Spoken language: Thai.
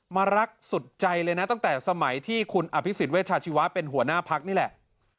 รักสุดใจเลยนะตั้งแต่สมัยที่คุณอภิษฎเวชาชีวะเป็นหัวหน้าพักนี่แหละ